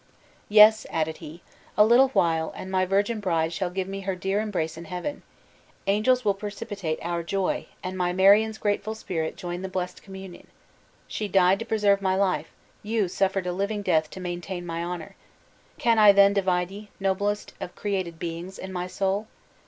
"Yes," added he, "a little while, and my virgin bride shall give me her dear embrace in heaven; angels will participate our joy, and my Marion's grateful spirit join the blest communion! She died to preserve my life; you suffered a living death to maintain my honor! Can I then divide ye, noblest of created beings, in my soul!